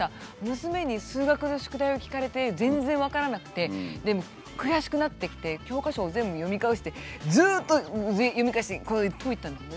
娘に数学の宿題を聞かれて全然分からなくて悔しくなってきて教科書を全部読み返してずっと読み返して解いてたんです。